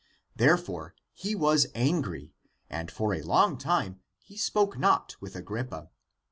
Therefore he was angry, and for a long time he spoke not with Agrippa.